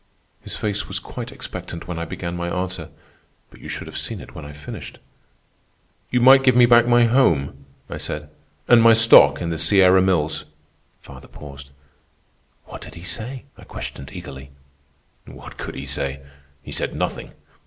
"His face was quite expectant when I began my answer, but you should have seen it when I finished. "'You might give me back my home,' I said, 'and my stock in the Sierra Mills.'" Father paused. "What did he say?" I questioned eagerly. "What could he say? He said nothing.